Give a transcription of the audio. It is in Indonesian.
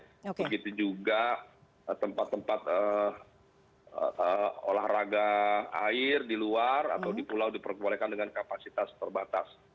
begitu juga tempat tempat olahraga air di luar atau di pulau diperbolehkan dengan kapasitas terbatas